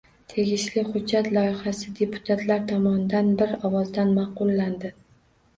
Tegishli hujjat loyihasi deputatlar tomonidan bir ovozdan ma’qullandi